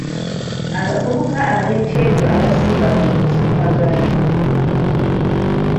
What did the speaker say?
Abavubuka ab'ekyejo abasiiba ku mutimbagano.